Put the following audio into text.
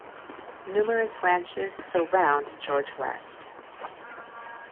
Numerous ranches surround George West.